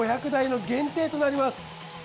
５００台の限定となります。